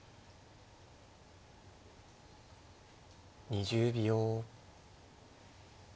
２０秒。